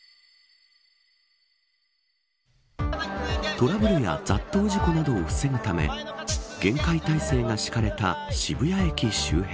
トラブルや雑踏事故などを防ぐため厳戒体制が敷かれた渋谷駅周辺。